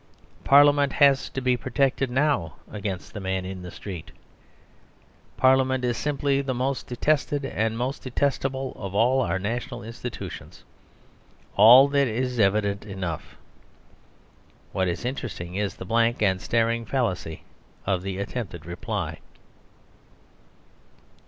Parliament has to be protected now against the man in the street. Parliament is simply the most detested and the most detestable of all our national institutions: all that is evident enough. What is interesting is the blank and staring fallacy of the attempted reply.